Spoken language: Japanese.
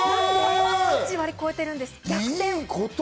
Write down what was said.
８割超えているんです。